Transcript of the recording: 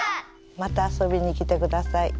また遊びに来てください。